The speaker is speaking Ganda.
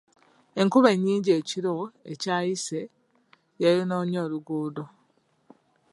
Enkuba ennyingi ekiro ekyayise yayonoonye oluguudo.